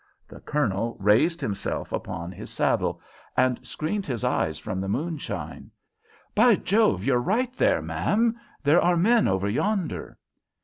The Colonel raised himself upon his saddle, and screened his eyes from the moonshine. "By Jove, you're right there, ma'am. There are men over yonder."